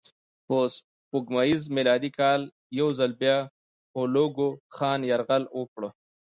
په سپوږمیز میلادي کال یو ځل بیا هولاکوخان یرغل وکړ.